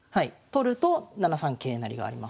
取ると７三桂成があります。